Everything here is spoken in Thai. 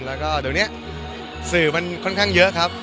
แล้วก็เดี๋ยวนี้สื่อมันค่อนข้างเยอะครับ